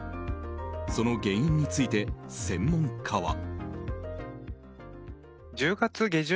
その原因について専門家は。